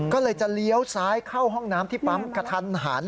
ก็เลยจะเลี้ยวซ้ายเข้าห้องน้ำที่ปั๊มกระทันหัน